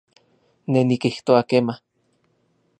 Ne nikijtoa kema